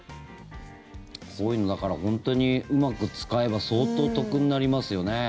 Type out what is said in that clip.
だから本当にうまく使えば相当、得になりますよね。